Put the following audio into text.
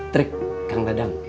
trik kang dadang